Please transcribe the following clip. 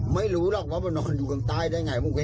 ไม่รู้ว่ามานอนที่นี่ได้ยังไงไม่รู้ว่า